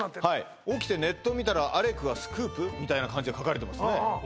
「起きてネット見たらアレクがスクープ？？」みたいな感じで書かれてますね